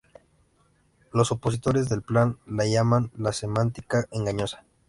Los opositores del plan la llaman, la semántica engañosa.